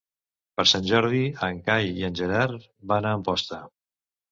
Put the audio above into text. Per Sant Jordi en Cai i en Gerard van a Amposta.